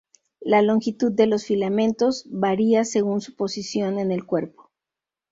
La longitud de los filamentos varía según su posición en el cuerpo.